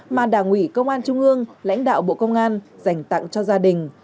mà đảng ủy công an trung ương lãnh đạo bộ công an dành tặng cho gia đình